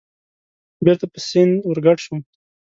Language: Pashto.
بېرته په سیند ورګډ شوم.